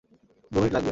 দু মিনিট লাগবে।